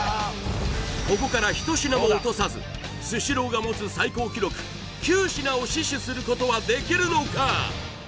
ここから１品も落とさずスシローが持つ最高記録９品を死守することはできるのか？